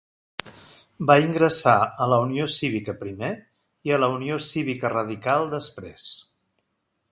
Va ingressar a la Unió Cívica, primer, i a la Unió Cívica Radical, després.